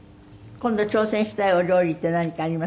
今度挑戦したいお料理って何かあります？